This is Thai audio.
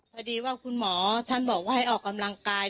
พอดีว่าคุณหมอท่านบอกว่าให้ออกกำลังกาย